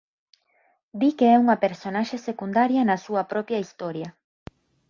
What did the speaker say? Di que é unha personaxe secundaria na súa propia historia.